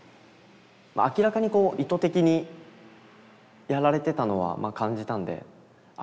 明らかにこう意図的にやられてたのはまあ感じたんであ